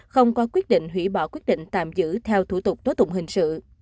không có quyết định hủy bỏ quyết định tạm giữ theo thủ tục tố tụng hình sự